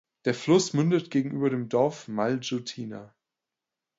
Der Fluss mündet gegenüber dem Dorf Maljutina.